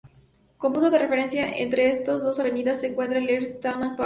Como punto de referencia, entre estas dos avenidas se encuentra el Ernst-Thälmann-Park.